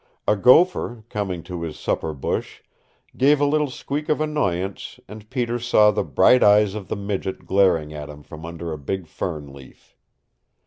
A gopher, coming to his supper bush, gave a little squeak of annoyance, and Peter saw the bright eyes of the midget glaring at him from under a big fern leaf.